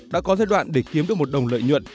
đã có giai đoạn để kiếm được một đồng lợi nhuận